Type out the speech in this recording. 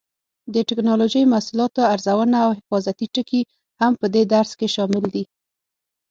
د ټېکنالوجۍ محصولاتو ارزونه او حفاظتي ټکي هم په دې درس کې شامل دي.